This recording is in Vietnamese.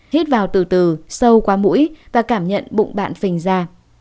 hít vào từ từ sâu qua mũi và cảm nhận bụng bạn phình ra